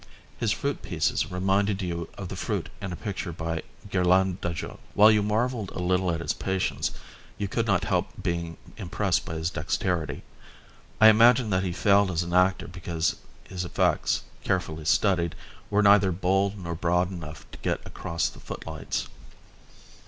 His fruit pieces reminded you of the fruit in a picture by Ghirlandajo. While you marvelled a little at his patience, you could not help being impressed by his dexterity. I imagine that he failed as an actor because his effects, carefully studied, were neither bold nor broad enough to get across the footlights.